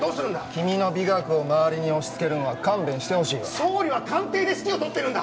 君の美学を周りに押し付けるのは勘弁してほしいわ総理は官邸で指揮を執ってるんだ